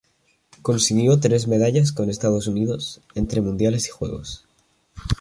Consiguió tres medallas con Estados Unidos, entre mundiales y Juegos.